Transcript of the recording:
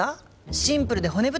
シンプルで骨太？